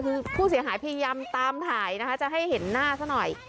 คือผู้เสียหายพยายามตามถ่ายนะคะจะให้เห็นหน้าซะหน่อย